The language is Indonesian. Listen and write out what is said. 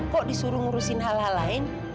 kok disuruh ngurusin hal hal lain